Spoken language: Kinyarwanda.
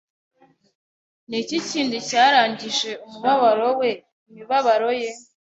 Ni iki kindi cyarangije umubabaro we imibabaro ye